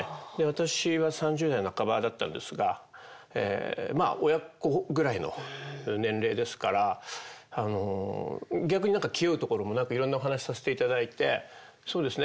私は３０代半ばだったんですがまあ親子ぐらいの年齢ですから逆に何か気負うところもなくいろんなお話させていただいてそうですね